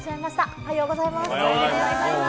おはようございます。